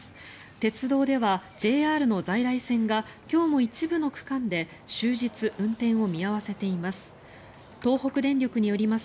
鉄道ではＪＲの在来線が今日も一部の区間で終日、運転を見合わせています。